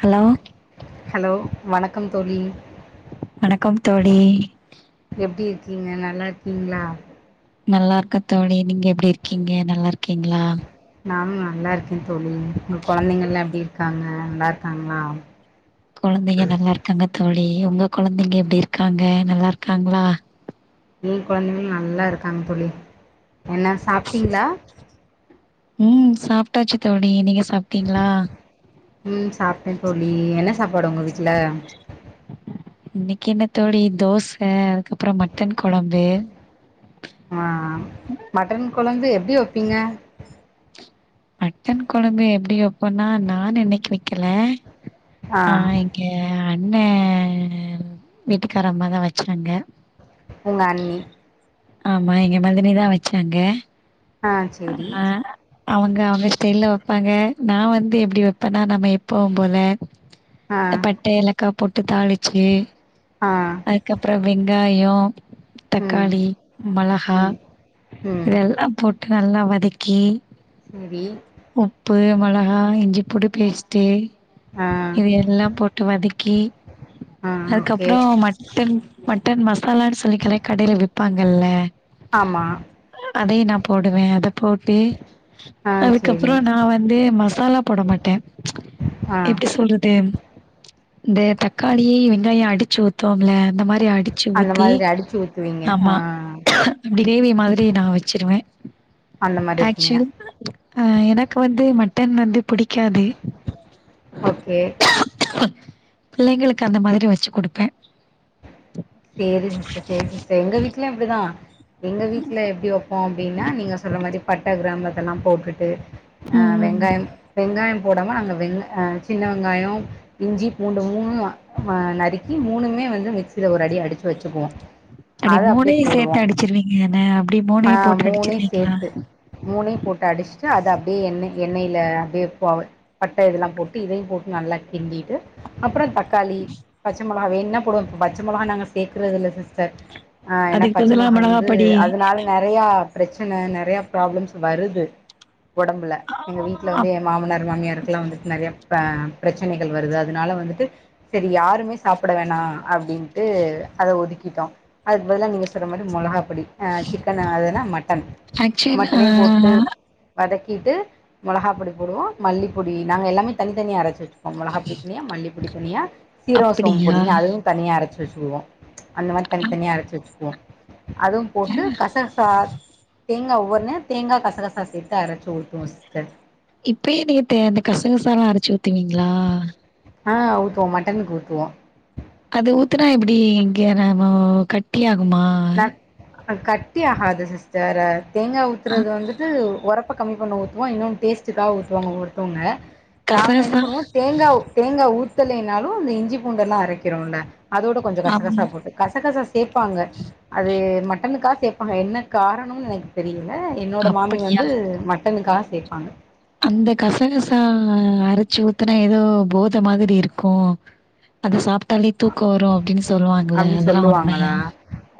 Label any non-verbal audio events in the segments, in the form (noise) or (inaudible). Hello hello வணக்கம் தோழி வணக்கம் தோழி எப்டி இருக்கீங்க நல்லார்க்கீங்ளா நல்லார்க்க தோழி நீங்க எப்டிர்க்கீங்க நல்லார்க்கீங்ளா நானு நல்லார்க்கெ தோழி உங்க கொழந்தைங்கல்லா எப்டிர்க்காங்க நல்லார்க்காங்ளா கொழந்தைங்க நல்லார்க்காங்க தோழி உங்க கொழந்தைங்க எப்டி இருக்காங்க நல்லார்க்காங்ளா ஏ கொழந்தைகளு நல்லா இருக்காங்க தோழி என்ன சாப்டீங்ளா ம் சாப்டாச்சு தோழி நீங்க சாப் ம் சாப்ட்டே தோழி என்ன சாப்பாடு ஒங்க வீட்ல இன்னக்கி என்ன தோழி தோச அதுகப்றொ மட்டன் கொழம்பு ஆ மட்டன் கொழம்பு எப்டி வப்பீங்க டன் கொழம்பு எப்டி வப்போன்னா நான் இன்னக்கி வெக்கெல ஆ ஏ அண்ண வீட்டுக்காரம்மா தா வச்சாங்க உங்க அண்ணி ஆமா எங்க மதனி தா வச்சாங்க ஆ சேரி ஆ அவங்க அவுங்க ஸ்டைல்ல வப்பாங்க நா வந்து எப்டி வப்பன்னா நம்ம எப்போவ் போல ஆ பட்ட ஏலக்கா போட்டு தாளிச்சி ஆ அதுகப்ற வெங்காயோ ம் தக்காளி மளகா ம் ம் இதெல்லா போட்டு நல்லா வதக்கி செரி உப்பு மொளகா இஞ்சிப் பூண்டு பேஸ்ட்டு ஆ இது எல்லா போட்டு வதக்கி ஆ ஓகே அதுக்கப்றோ மட்டன் மட்டன் மசாலான்னு சொல்லி கடை கடைல விப்பாங்கல்ல ஆமா அதையு நா போடுவே அத போட்டு ஆ சேரி அதுக்கப்றோ நா வந்து மசாலா போட மாட்டே ஆ எப்டி சொல்றது இந்த தக்காளி வெங்காயோ அடிச்சு ஊத்வோம்ல இந்த மாரி அடிச் அந்த மாரி அடிச்சு ஊத்துவீங்க ஆ இப்டி கிரேவி மாதிரி நா வச்சிருவே அந்த மாரி இருப்பீங்க ஆக்சுவலி அ எனக்கு வந்து மட்டன் வந்து புடிக்காது ஓகே புள்ளைங்களுக்கு அந்த மாதிரி வச்சு குடுப்பே சேரிங் சிஸ்டர் சேரி சிஸ்டர் எங்க வீட்ல அப்டிதா எங்க வீட்ல எப்டி வப்போ அப்டின்னா நீங்க சொல்ற மாரி பட்ட கிராம் அதலா போட்டுட்டு அ ம். வெங்காயம் வெங்காயம் போடாம நாங்க வெங் சின்ன வெங்காயன இஞ்சி பூண்டு மூணு அ நறுக்கி மூணுமே வந்து மிக்சில ஒரு அடி அடிச்சு வச்சுக்குவோ அப்டி அத அப்டியே மூணையு சேத்து போடுவோ அடிச்சிருவீங்க என்ன அப்டி மூணையு போட்டு அடிச்சிர்வீங்ளா மூணயு போட்டு அடிச்ட்டு அத அப்டியே எண்ணெ எண்ணெயில அப்டியே போ பட்ட இதெல்லா போட்டு இதயு போட்டு நல்லா கிண்டிட்டு அப்பறோ தக்காளி பச்ச மொளக வேன்னா போடுவோ பச்ச மொளகா நாங்க சேக்கறது இல்ல சிஸ்டர் ஆ ஏனா அதுக்கு பச்ச பதிலா மொளகா வந்து மிளகாப்பொடி அதுனால நெறையா பிரச்சன நெறையா ப்ராப்ளம்ஸ் வருது ஒடம்புல அ எங்க வீட்ல வந்து ஏ மாமனார் மாமியார்க்லா வந்துட்டு நெறையா பெ பிரச்சனகள் வருது அதனால வந்துட்டு செரி யாருமே சாப்ட வேணா அப்டின் ட்டு அத ஒதுக்கிட்டோ அதுக்கு பதிலா நீங்க சொல்ற மாரி மொளகா பொடி அ சிக்கன் அது என்னா மட்டன் ஆக்சுவல் ஆ மட்டனையு போட்டு வதக்கிட்டு மொளகா பொடி போடுவோ மல்லிப்பொடி நாங்க எல்லாமே தனி தனியா அரச்சி வச்சிர் மொளக பொடி தனியா மல்லி பொடி தனியா சீரகம் அப்டியா? சோம்பொடி அதுவு தனியா அரச்சி வச்சுக்குவோ அந்த மாரி தனித்தனியா அரச்சு வச்சுக்குவோ அதுவு அ போட்டு கசகசா தேங்கா ஒவ்வொர்னே தேங்கா கசகசா சேத்து அரச்சி ஊத்துவோ சிஸ்டர் இப்பயு நீங்க தே இந்த கசகசலா அரச்சு ஊத்துவீங்ளா ஆ ஊத்துவோ மட்டனுக்கு ஊத்துவோ அது ஊத்தனா எப்டி இங்க நம கட்டி ஆகுமா ந கட்டி ஆகாது சிஸ்டர் தேங்கா ஆ ஊத்துறது வந்துட்டு ஒர ப்ப கம்மி பண்ண ஊத்துவோ இன்னு டேஸ்ட்க்காக ஊத்துவாங்க ஒவ்வொருத்தவுங்க நாங்க என்ன கசகசா பண்ணுவோ தேங்கா தேங்கா ஊத்தலைனாலு அந்த இஞ்சி பூண்டெல்லா அரைக்கிறோல அதோட கொஞ்சோ ஆமா கசகசா போட்டு கசகசா சேப்பாங்க அது மட்டனுக்கா சேப்பாங்க என்ன காரணுன் தெரில என்னோட மாமி அப்படியா வந்து மட்டனுக்காக சேப்பாங்க அந்த கசகசா அரச்சி ஊத்துனா ஏதோ போத மாதிரி இருக்கு அத சாப்ட்டாலே தூக்க வரு அப்டின்னு சொல்லுவாங்ள அப்டின்னு அதெல்லா சொல்லுவாங்களா உண்மையா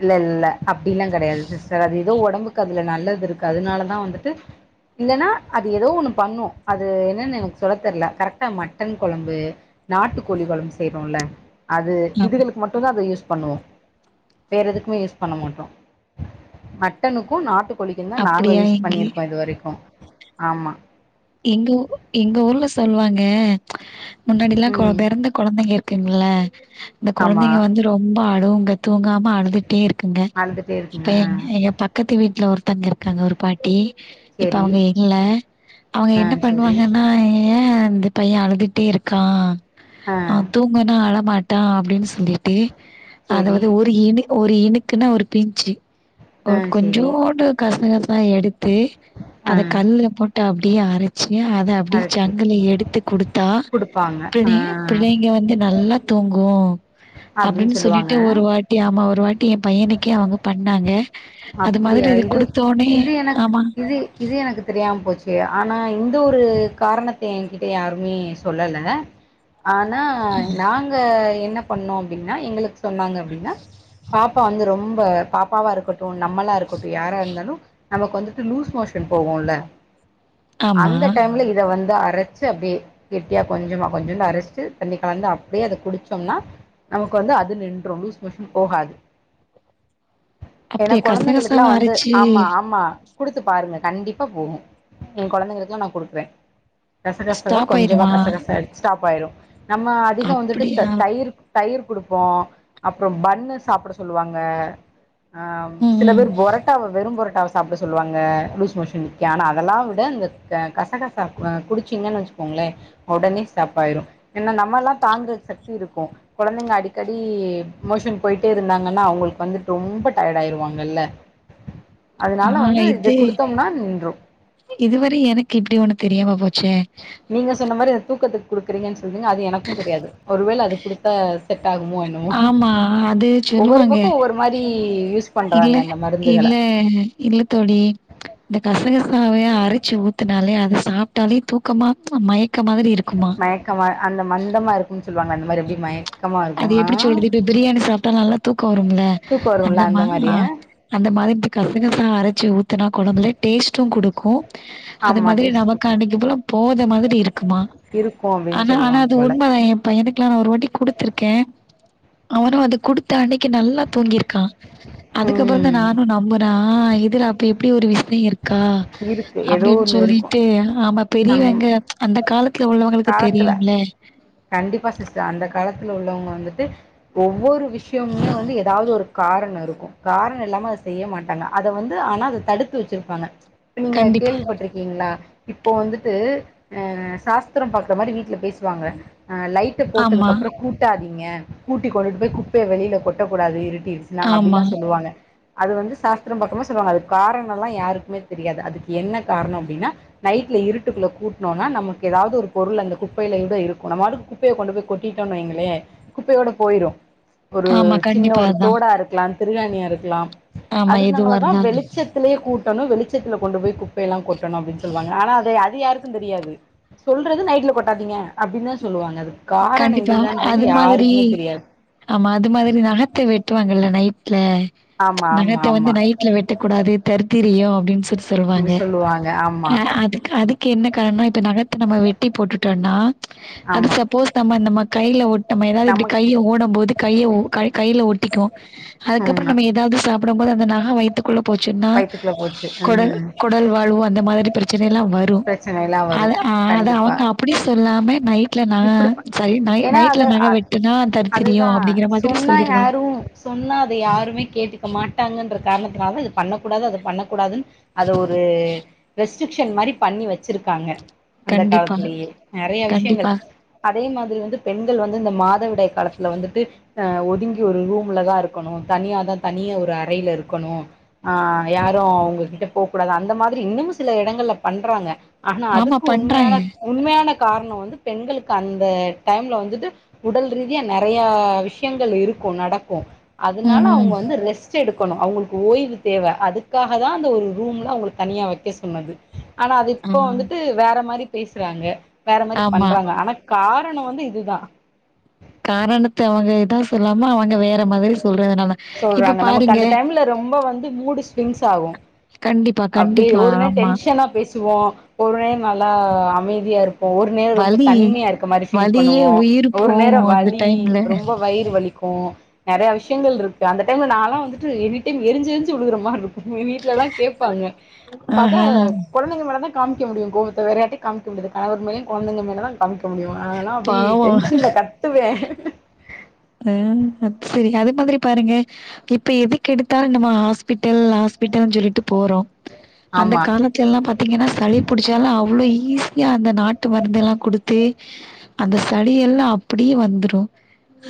இல்ல இல்ல அப்டிலா கெடையாது சிஸ்டர் அது ஏதோ ஒடம்புக்கு அதுல நல்லது இருக்கு அதனாலதா வந்துட்டு இல்லனா அது ஏதோ ஒன்னு பண்ணு அது என்னன்னு எனக்கு சொல்ல தெர்ல கரெக்டா மட்டன் கொழம்பு நாட்டு கோழி கொழம்பு செய்றோல்ல அது ஆமா இதுகளுக்கு மட்டு அத யூஸ் பன்னுவோ வேற எதுக்குமே யூஸ் பண்ண மாட்டோ மட்டனுக்கூ நாட்டு கோழிக்கு தா நாங்க அப்படியா யூஸ் எங்க பண்ணிருக்கோ இது வரைக்கு ஆமா எங்க ஊர் எங்க ஊர்ல சொல்லுவாங்க முன்னாடிலா ம் பிறந்த குழந்தைங்க இருக்குங்ள இந்த ஆமா கொழந்தைங்க வந்து ரொம்ப அழுங்க தூங்காம அழுதுட்டே இருக்குங்க அழுதுட்டே இருக்குங்க இப்ப ஆ எங்க எங்க பக்கத்து வீட்ல ஒருத்தங்க இருக்காங்க ஒரு பாட்டி இப்ப சேரி அவுங்க இல்ல அவுங்க ஆ என்ன சேரி பன்னுவாங்கனா ஏ இந்த பைய அழுதுட்டே இருக்கா ஆ அவ துங் ன்னா அழமாட்டா அப்டின்னு சொல்லிட்டு அதா சேரி வது ஒரு இனு ஒரு இனுக்குன்னா ஒரு பிஞ்ச்சு ஆ சேரி கொஞ்சோண்டு கசகச எடுத்து அத ஆ கல்லு போட்டு அப்டியே அரச் அத அப்டியே அரைச்சு சங்குல எடுத்து கொடுத்தா குடுப்பாங்க ஆ அப்டியே பிள்ளைங்க வந்து நல்லா தூங்கும் அப்டின்னு அப்டினு சொல்லிட்டு சொல்லுவாங்க ஒரு வா ட்டி ஆமா ஒரு வாட்டி எ பையனுக்கே அவுங்க பண்ணாங்க அது மாதிரி இது குடுத்தோனே இது எனக்கு ஆமா இது இது எனக்கு தெரியாம போச்சே ஆனா இந்த ஒரு காரணத்த எ கிட்ட யாருமே சொல்லல ஆனா நாங்க என்ன பண்ணோ அப்டினா எங்களுக்கு சொன்னாங்க அப்டினா பாப்பா வந்து ரொம்ப பாப்பாவா இருக்கட் டோ நம்மளா இருக்கட்டும் யாரா இருந்தாலும் நமக்கு வந்துட்டு லூஸ் மோஷன் போகும்ல்ல ஆமா அந்த டைம்ல இத வந்து அரச் அப்டியே கெட்டியா கொஞ்சமா கொஞ்ச அரசுட் தண்ணி கலந்து அப்டியே அத குடிச்சோம்னா நமக்கு வந்து அது நின்றும் லூஸ் மோஷன் போகாது ஏன்னா அப்டியா கொழந்தைங்களுக்கெல்லா கசகசாவ வந்து அரச்சு ஆமா ஆமா குடுத்து பாருங்க கண்டிப்பா போகும் எ கொழந்தைங்களுக்கு நா குடுப்பே கசகசவ ஸ்டாப் கொஞ்சமா ஆயிருமா கசகச அடுச் ஸ்டாப் ஆயிரும் நம்ம அதிகம் வந்துட்டு த அப்டியா தயிர் தயிர் குடுப்போம் அப்புறம் பண்ணு சாப்ட சொல்லுவாங்க ஆ ம் சில ம் பேர் பொரட் டாவ வெறும் பொரட்டாவ சாப்பிட சொல்லுவாங்க லூஸ் மோஷன் ஆனா அதெல்லா விட இந்த கசகச சா குடிச்சீங்கன்னு வச்சுக்கோங்களே ஒடனே ஸ்டாப் ஆயிரும் ஏன்னா நம்ம எல்லா தாங்குற சக்தி இருக்கும் கொழந்தைங்க அடிக்கடி மோஷன் போயிட்டே இருந்தாங்கன்னா அவுங்களுக்கு வந்துட்டு ரொம்ப டயர்ட் ஆயிருவாங்கல்ல ஆ அதனால வந்து இத குடுத்தோம்னா நின்றும் இதுவர எனக்கு இப்டி ஒண்ணு தெரியாம போச்சே நீங்க சொன்ன மாரி அ தூக்கத்துக்கு குடுக்குறீங்கன்னு சொல்றீங்க அது எனக்கும் தெரியாது ஒருவேள அது குடுத்த செட் ஆகுமோ என்னமோ ஆமா அது ஒவ்வொரு சொல்லுவாங்க பக்கம் ஒவ்வொரு மாரி யூஸ் பண் இல்ல இல்ல இல்ல தோழி (inaudible) இந்த கசக சாவைய அரச்சு ஊத்தினாலே அத சாப்பிட்டாலே தூக்கமா மயக்க மாரி இருக்குமா மயக்கமா அந்த மந்தமா இருக்குனு சொல்வாங்க அந்த மாரி அப்படி மயக் அது எப்டி சொல்றது இப்ப பிரியாணி சாப்டா நல்லா தூக்கம் வரும்ல தூக்கம் வரும்ல அந்த மா ஆ மாரியா அந்த மாரி இப்ப கசகசா அரைச்ச ஊத்துனா கொழம்புல டேஸ்ட்டும் குடுக்கும் அது ஆமா மாதிரி டேஸ்ட் நமக்கு குடுக்கு அன்னைக்கி போத மாதிரி இருக்குமா இருக்கு அப்டின்னு ஆனா ஆனா சொல்லுவாங்க அது போல உண்மதா பையனுக்குல்லா நா ஒரு வாட்டி குடுத்துருக்கே அவனு அது குடுத்த அன்னைக்கி நல்லா தூங்கி இருக்கா அதுக்கப்பற தா ம் நானு நம்புனா இதுல அப்டி இப்டி ஒரு விஷயம் இருக்கா இருக்கு ஏதோ அப்டினு ஒண்ணு இருக்கு சொல்லிட்டு ஆமா நம் பெரியவங்க அந்த காலத்துல உள்ளவங்களுக்கு காலத்துல தெரியும்ல கண்டிப்பா சிஸ்டர் அந்த காலத்துல உள்ளவங்க வந்துட்டு ஒவ்வொரு விஷயமுமே வந்து ஏதாவது ஒரு காரண இருக்கு காரண இல்லாம அத செய்ய மாட் டாங்க அத வந்து ஆனா அத தடுத்து வச்சிருப்பாங்க நீங்க கண்டிப்பா கேள்விப்பட்டிருக்கீங்களா இப்போ வந்துட்டு அ சாஸ்திரம் பாக்குற மாரி வீட்ல பேசுவாங்க அ லைட்ட ஆமா போட்டதுக்கு அப்புற கூட்டாதீங்க கூட்டி கொண்டுட்டு போய் குப்பைய வெளில கொட்டக் கூடாது இருட்டிருச் லாங்க ஆமா அப்டின்ல்லா சொல்லுவாங்க அது வந்து சாஸ்திரம் பாக்கம் போ சொல்லுவாங்க அது காரணம்ல்லா யாரு குமே தெரியாது அதுக்கு என்ன காரணம் அப்டினா நைட்ல இருட்டுக்குள்ள கூட்ணோனா நமக்கு ஏதாவது ஒரு பொருள் அந்த குப்பையில எங்குட்டோ இருக்கு நம்ம பாட்டுக்கு கூ குப்பையை கொண்டு கொட்டிட்டோ வைங்களே குப்பையோட போயிரு ஒரு ஆமா சின்ன கண்டிப்பா ஒரு அதான் தோடா இருக்கலா திருக்காணியா இருக்கலா ஆமா அதுக்கு எதுவா நாளதா இருந்தாலும் வெளிச்ச கூட்டனு வெளிச்சத்தில கொண்டு போய் குப்பை எல்லா கொட்டனு அப்டினு சொல்லுவாங்க ஆனா அத அது யாருக் க்குந் தெரியாது சொல்றது நைட்ல கொட்டாதீங்க அப்டின் தா சொல்லுவாங்க அது கண்டிப்பா அது மாதிரி தெரியாது ஆமா அது மாதிரி நகத்த வெட்டுவாங்கல்ல நை ட்ல ஆமாம் ஆமாம் நகத்த வந்து ஆமாம் நைட்ல வெட்டக்கூடாது தருத்திரியோ அப்டின் சொட் சொல்வாங்க இப்படி சொல்லுவாங்க அ ஆமாம் அதுக் அதுக்கென்ன காரணோ இப்ப நகத்த நம்ம வெட்டி போட்டுட்டோன்னா ஆமா போஸ் நம்ம இந்த நம்ம கைல ஒட்ட நம்ம ஏதாது இப்பிடி கைய ஓடம் போது கைய ஓ கை கைல ஒட்டிக்கு அதுக்கப்பற ம் நம்ம ஏதாவுது சாப்டம்போது அந்த நக வயித்துக்குள்ள போச்சுன்னா வயித்துக்குள்ளே போச்சு கொடல் ம் கொடல் வால்வு அந்த மாதிரி பிரச்சனை எல்லா வரு பிரச்சனைல்லா வரு அத அ அத கண்டிப்பா அவுங்க அப்பிடி சொல்லாம நைட்ல அ இப்டி ப சரி நை ஏன்னா நைட்ல அத நக வெட்டுனா தரித்திரியோ அதுதான் அப்பிடிங்கிற மாதிரி சொன்னா சொல்லிருவாங் யாரும் சொன்னா அத யாருமே கேட்டுக்க மாட்டாங்கன்ற காரணத்துனால தா இது பண்ணக்கூடாது அது பண்ணக்கூடாதுன் அத ஒரு ரெஸ்ட்ரிக்ஷன் மாரி பண்ணி வச்சிருக்காங்க அந்த கண்டிப்பா, காலத்துலேயே நெறைய விஷயங்கள் கண்டிப்பா. அதே மாதிரி வந்து பெண்கள் வந்து இந்த மாதவிடாய் காலத்துல வந்துட்டு அ ஒதுங்கி ஒரு ரூம்லதா இருக்கணு தனியாதா தனியா ஒரு அறையில இருக்கணு அ யாரும் அவுங்ககிட்ட போக்கூடாது அந்த மாதிரி இன்னூமு சில எடங்கள்ல பண்றாங்க ஆனா ஆமா அதுக்கு உண்மையான பண்றாங்க. உண்மையான காரணம் வந்து பெண்களுக்கு அந்த டைம்ல வந்துட்டு உடல் ரீதியா நெறைய விஷயங்கள் இருக்கு நடக்கு அதுனால ம், அவுங்க ம். வந்து லெஸ்ட் எடுக்கணு அவுங்களுக்கு ஓய்வு தேவ அதுக்காக தா அந்த ஒரு ரூம்ல அவுங்கள தனியா வக்க சொன்னது ஆனா அது ஆ, இப்போ வந்துட்டு வேற மாரி பேசுறாங்க வேற மாரி ஆமா. பண்றாங்க ஆனாக் காரண வந்து இதுதா காரணத்த அவுங்க இதா சொல்லாம அவுங்க வேற மாதிரி சொல்றதுனால இப்ப சொல்றாங்க நமக்கு பாருங்க அந்த டைம்ல ரொம்ப வந்து மூடு ஸ்விங்ஸ் ஆகு கண்டிப்பா அபடி கண்டிப்பா ஒரு நேர் ஆமா டென்ஷனா பேசுவோ ஒரு நேர் நல்லா அமைதியா இருப் போ ஒரு நேரோ ரொம்ப வலி தனிமையா இருக்க மாரி ஃபீல் வலியே உயிர் பண்ணுவோமஒரு நேர போவு அந்த வலி டைம்ல ரொம்ப வயிறு வலிக்கு கு நெறைய விஷயங்கள் இருக்கு அந்த டைம்ல நாளா வந்துட்டு எனிடைம் எரிஞ்சு எரிஞ்சு விழுகுற மார்ருக்கு எனி ட்லலா கேப்பாங்க பாத்தா ஆஹா கொழைந்தங்க மேலதா காமிக்க முடியும் கோவத்த வேறயார்ட்டையு காமிக்க முடியாது கணவர் மேலயு கொழந்தங்க மேல தா காமிக்க முடியு அதனா அப்டி பாவோ டென்ஷன்ல கத்துவே அ அ சரி அது மாதிரி பாருங்க இப்ப எதுக்கெடுத்தால் நம்ம ஆஸ் பிட்டல் ஹாஸ்பிட்டல்ஞ் சொல்லிட்டு போறோ அந்த ஆமா காலத் கெல்லா பாத்தீங்கன்னா சளி புடிச்சாலு அவ்ளோ ஈஸியா அந்த நாட்டு மருந்தெலா குடுத்து அந்த சளி எல்லா அப்பிடி வந்துரு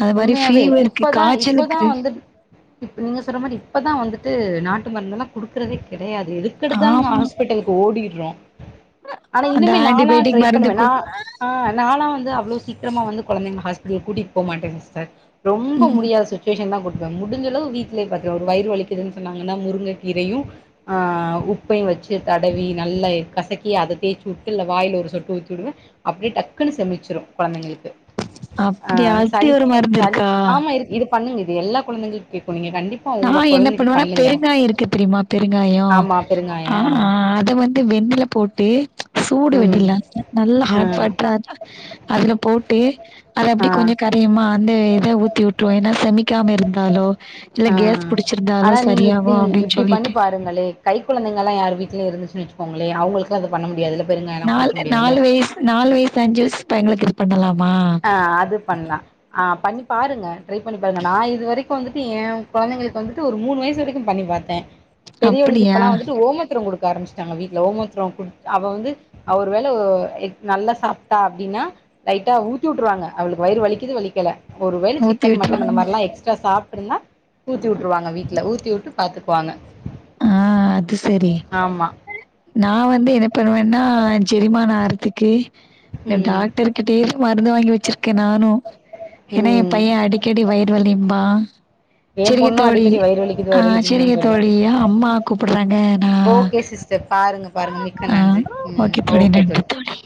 அது மாரி உண்மையாவே ஃபீவருக்கு இப்பதா இப்பதா காய்ச்சலுக்கு வந்துட் டு நீங்க சொல்ற மாரி இப்பதா வந்துட்டு நாட்டு மருந்துலா குடுக்குறதே கெடையாது எதுக்கெடுத்தாலுங்க ஆமா ஹாஸ் பிட்டல்க்கு ஓடிர்றோ ஆனா அந்த இன்னுமே நானா ஆன்டிபயோட்டிக் ட்ரைப் மருந்து பண்ணுவே கு நா அ நாளான் வந்து அவ்ளோ சீக்கிரமா வந்து கொழந்தைங்கள ஹாஸ்பிட்டல் கூட்டிட் போமாட்டேங்க சிஸ்டர் ரொம்ப ம் முடியாத சுச் சுவேஷந்தா கூட்டுப்போவ் முடிஞ்சளவு வீட்லே பாத்துருவே ஒரு வயிறு வலிக்கிதுன் சொன்னாங்கன்னா முருங்கக்கீரையு அ உப்பையு வச்சு தடவி நல்லா கசக்கி அத தேச்சுட்டு இல்ல வாயில ஒரு சொட்டு ஊத்திவுடுவே அப்டியே டக்குனு செமிச்சிரு கொழந்தைங்களுக்கு அப்டியா இப்டியொர் கி சளிக் ஆமா இருக் இது பண்ணுங்க இது எல்லா கொழந்தைங்களுக் கேக் நீங்க கண்டிப் நா என்ன பண்ணுவனா பெருங்காய இருக்கு தெரியுமா பெருங்காய ஆமா அ பெருங்காயம் ஆ அ அத வந் து வெண்ணில போட்டு சூடு ம் வெண்ணில நல்லா ஆ ஹாட் வாட்டராந்தா அதுல போட்டு அத ஆ அப்பிடி கொஞ்ச கர்த் தேமா அந்த இத ஊத்தி உட்ருவோ ஏனா செமிக்காம இருந்தாலோ இல்ல ஆ கேஸ் புடிச்சிருந்தாலோ சரியாவு அப்பிடின் சொல்லிட்டு ந்தங்களே கை குழந்தைகள்லா யார் வீட்டுலயு இருந்துச்சு வச்சுக்கோங்களே அவுங்களுக்கு அது பண்ண முடியாதுல்ல பெருங்காயல்லா குடுக்க நாலு முடியாதுல்ல நாலு வயசு நாலு வயசு அஞ்சு வயசு பையங்களுக்கு இது பண்ணலாமா அ அது பண்லா ஆ பண்ணி பாருங்க ட்ரை பண்ணி பாருங்க நா இது வரைக் கு வந்துட்டு எ கொழந்தைங்களுக்கு வந்துட்டு ஒரு மூணு வயசு வரைக்கு பண்ணி பாத்தே பெரியவளுக்கு அப்டியா இப்பெல்லா வந்துட்டு ஓமத்தர குடுக்க ஆரம்பச்சிட்டாங்க வீட்டுல ஓமத்தர குடு அவ வந்து அவ ஒரு வேளை நல்லா சாப்பிட்டா அப்டின்னா லைட்டா ஊ ட்டி விட்டுருவங்க அவளுக்கு வயிறு வலிக்குது வலிக்கல ஒரு வேள ஊத்தி சிக்கன் மட்டன் அந்த விட்ருவாங்க மாரில்லா எக்ஸ்ட்ரா சாப்ட்ரிந்தா ஊத்தி உட்டுருவாங்க வீட்டுல ஊத்தி உட்டு பாத்துக்குவாங்க ஆ அது சரி ஆமா நா வந்து என்ன (unintelligible) ஜெயிமான ஆறத்துக் கு இந்த ம் டாக்டரு கிட்டேய மருந்து வாங்கி வச்சிருக்கே நானு ஏன்னா எ ம் பைய அடிக்கடி வயிரு வலிம்பா ஏ செரிங்க பொண்ணு தோழி அடிக்கடி வயிறு வலிக்குது ஆ வயிறு வலிக்குதுன் செரிங்க தா சொல்லு தோழியா மா கூப்புடுறாங்க நா ஓகே சிஸ்டர் பாருங்க பாருங்க மிக்க ஆ நன்றி ம் ஓகே தோழி நன்றி தோழி